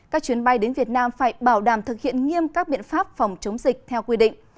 các chuyến bay đến việt nam phải bảo đảm thực hiện nghiêm các biện pháp phòng chống dịch theo quy định